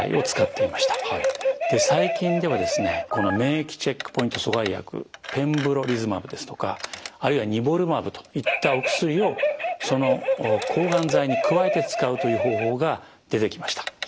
最近ではですねこの免疫チェックポイント阻害薬ペムブロリズマブですとかあるいはニボルマブといったお薬をその抗がん剤に加えて使うという方法が出てきました。